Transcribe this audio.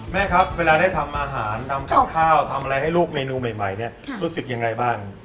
แม่ครับเวลาได้ทำอาหารทำกับข้าวทำอะไรให้ลูกเมนูใหม่เนี่ยรู้สึกยังไงบ้าง